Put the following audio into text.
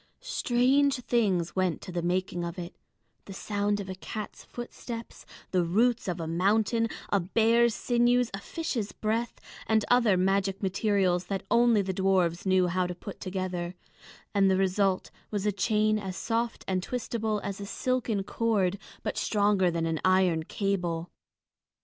Strange things went to the making of it, the sound of a cat's footsteps, the roots of a mountain, a bear's sinews, a fish's breath, and other magic materials that only the dwarfs knew how to put together; and the result was a chain as soft and twistable as a silken cord, but stronger than an iron cable.